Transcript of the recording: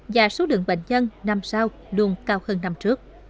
và số lượng bệnh nhân năm sau luôn cao hơn năm trước